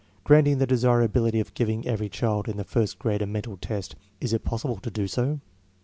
Granting the desirability of giving every child in the first grade ,a mental test, is it possible to do so?